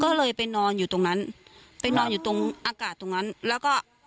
ก็เลยไปนอนอยู่ตรงนั้นไปนอนอยู่ตรงอากาศตรงนั้นแล้วก็